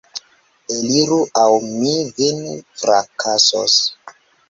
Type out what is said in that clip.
Eliru, aŭ mi vin frakasos!